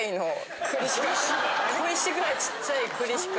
小石ぐらいちっちゃい栗しか。